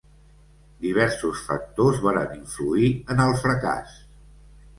Diversos factors varen influir en el fracàs.